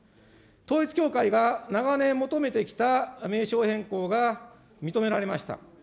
統一教会が長年求めてきた名称変更が認められました。